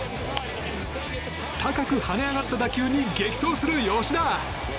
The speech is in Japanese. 高く跳ね上がった打球に激走する吉田。